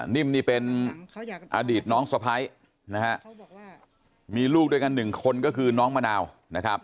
นิ่มนี่เป็นอดีตน้องสะพ้ายนะฮะมีลูกด้วยกันหนึ่งคนก็คือน้องมะนาวนะครับ